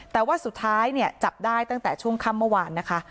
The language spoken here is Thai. แต่ว่าสุดท้ายเนี่ยจับได้ตั้งแต่ช่วงค่ำเมื่อวานนะคะ